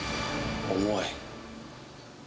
重い。